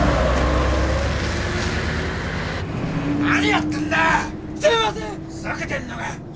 何やってんだよ！